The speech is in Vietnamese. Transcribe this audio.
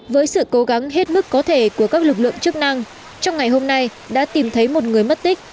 với sự cố gắng hết mức có thể của các lực lượng chức năng trong ngày hôm nay đã tìm thấy một người mất tích